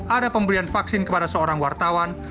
ada pemberian vaksin kepada seorang wartawan